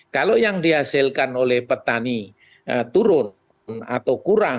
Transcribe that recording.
kalau yang dihasilkan oleh petani turun atau kurang